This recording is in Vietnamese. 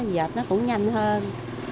dịch nó cũng nhanh hơn